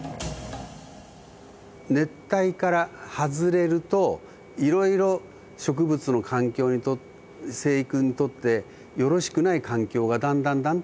熱帯から外れるといろいろ植物の環境に生育にとってよろしくない環境がだんだんだんだん増えてくる。